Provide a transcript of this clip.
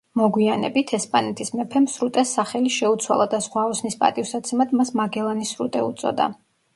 მოგვიანებით, ესპანეთის მეფემ, სრუტეს სახელი შეუცვალა და ზღვაოსნის პატივსაცემად მას მაგელანის სრუტე უწოდა.